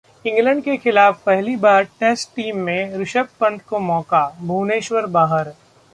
England के खिलाफ पहली बार टेस्ट टीम में ऋषभ पंत को मौका, भुवनेश्वर बाहर